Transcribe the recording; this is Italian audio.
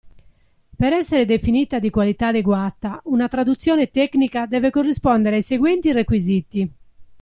Per essere definita di qualità adeguata, una traduzione tecnica deve corrispondere ai seguenti requisiti.